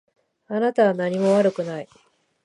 あなたは何も悪くない。